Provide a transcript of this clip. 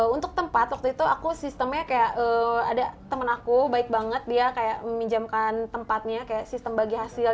untuk tempat waktu itu aku sistemnya kayak ada temen aku baik banget dia kayak meminjamkan tempatnya kayak sistem bagi hasil